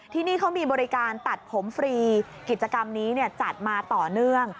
ที่นี่เขามีบริการตัดผมฟรีกิจกรรมนี้จัดมาต่อเนื่อง